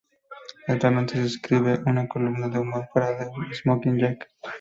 Actualmente escribe una columna de humor para "The Smoking Jacket.